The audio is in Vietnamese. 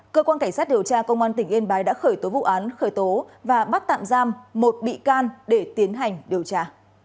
cơ quan cảnh sát điều tra công an tỉnh yên bái đã khởi tố vụ án khởi tố và bắt tạm giam một bị can để tiến hành điều tra